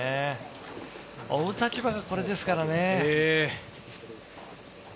追う立場がこれですからね。